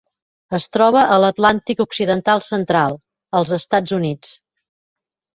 Es troba a l'Atlàntic occidental central: els Estats Units.